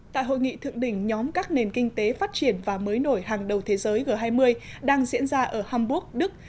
tại hội nghị thượng đỉnh nhóm các nền kinh tế phát triển và mới nổi hàng đầu thế giới g hai mươi đang diễn ra ở hamburg đức